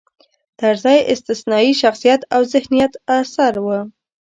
طرزی استثنايي شخصیت او ذهینت اثر و.